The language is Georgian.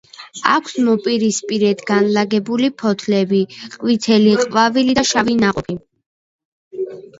აქვს მოპირისპირედ განლაგებული ფოთლები, ყვითელი ყვავილი და შავი ნაყოფი.